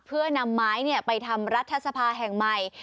เพื่อนำไม้ไปทำรัฐสภาแห่งใหม่